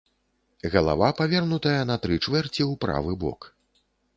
Галава павернутая на тры чвэрці ў правы бок.